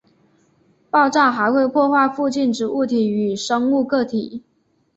爆炸还会破坏附近之物体与生物个体。